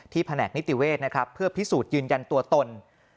แผนกนิติเวศนะครับเพื่อพิสูจน์ยืนยันตัวตน